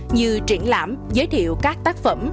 như triển lãm giới thiệu các tác phẩm